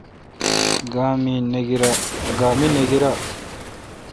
گا می نہ گیرا۔